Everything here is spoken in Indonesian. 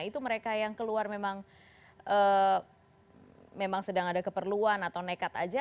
itu mereka yang keluar memang sedang ada keperluan atau nekat saja